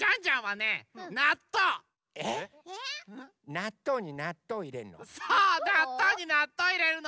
なっとうになっとういれんの？